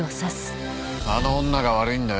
あの女が悪いんだよ。